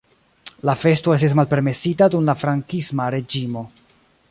La festo estis malpermesita dum la Frankisma reĝimo.